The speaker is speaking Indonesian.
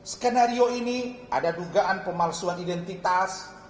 skenario ini ada dugaan pemalsuan identitas